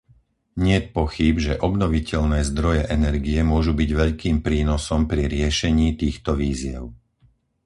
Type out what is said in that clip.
Niet pochýb, že obnoviteľné zdroje energie môžu byť veľkým prínosom pri riešení týchto výziev.